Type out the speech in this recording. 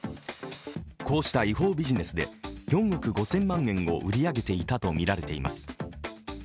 こうした違法ビジネスで４億５０００万円を売り上げていたとみられています。